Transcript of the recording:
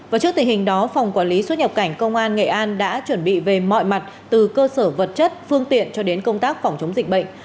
và trước tình hình đó phòng quản lý xuất nhập cảnh công an nghệ an đã chuẩn bị về mọi mặt từ cơ sở vật chất phương tiện cho đến công tác phòng chống dịch bệnh